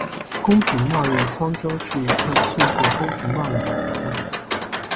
公平贸易双周是一项庆祝公平贸易的活动。